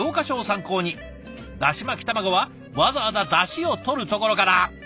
だし巻き卵はわざわざだしをとるところから。